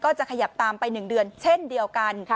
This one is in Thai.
จะขยับตามไป๑เดือนเช่นเดียวกัน